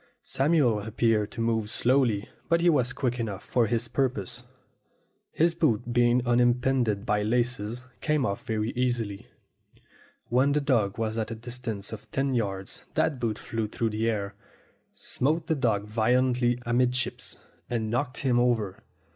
Samuel appeared to move slowly, but he was quick enough for his purpose. His boot, being unimpeded by laces, came off very easily. When the dog was at a A MODEL MAN 35 distance of ten yards that boot flew through the air, smote the dog violently amidships, and knocked him over.